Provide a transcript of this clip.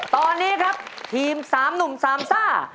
ตอนนี้ครับทีม๓หนุ่มสามซ่า